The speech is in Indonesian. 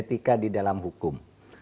etika di dalam hukum